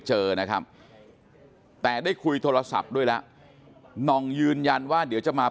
เจอนะครับแต่ได้คุยโทรศัพท์ด้วยแล้วนองยืนยันว่าเดี๋ยวจะมา